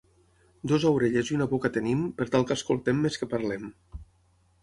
Dues orelles i una boca tenim, per tal que escoltem més que parlem.